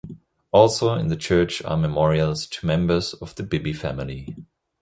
Also in the church are memorials to members of the Bibby family.